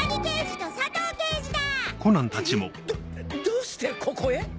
どうしてここへ？